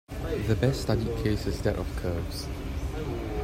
The best studied case is that of curves.